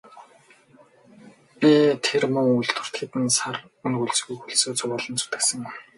Би тэр муу үйлдвэрт хэдэн сар үнэ хөлсгүй хөлсөө цувуулан зүтгэсэн.